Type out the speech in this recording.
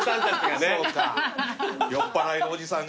酔っぱらいのおじさんが。